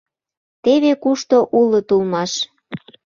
Теве кушто улыт улмаш.